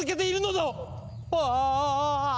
ああ！